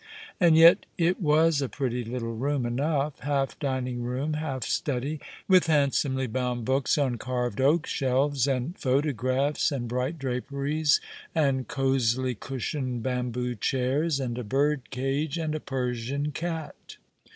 And yet it was a pretty little room enough, half dining room, half study, with handsomely bound books on carved oak shelves, and photographs and bright draperies, and cosily cushioned bamboo chairs, and a bird cage, and a Persian cat.